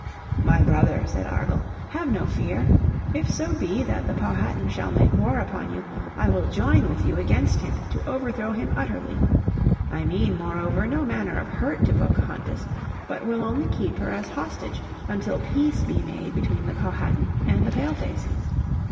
"My brother," said Argall," have no fear; if so be that the Powhatan shall make war upon you I will join with you against him to overthrow him utterly. I mean, moreover, no manner of hurt to Pocahontas, but will only keep her as hostage until peace be made between the Powhatan and the Pale faces.